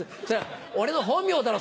俺の本名だろ！